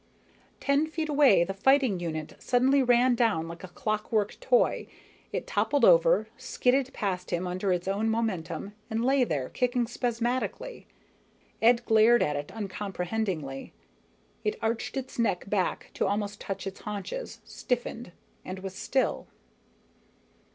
Ten feet away, the fighting unit suddenly ran down like a clockwork toy. It toppled over, skidded past him under its own momentum, and lay there kicking spasmodically. Ed glared at it uncomprehendingly. It arched its neck back to almost touch its haunches, stiffened, and was still.